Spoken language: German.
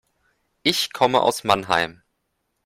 Ich komme aus Mannheim